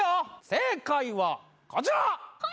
正解はこちら！